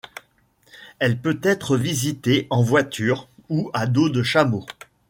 Elle peut être visitée en voiture, ou à dos de chameau.